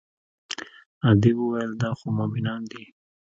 ادې وويل دا خو مومنان دي.